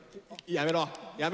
やめろ！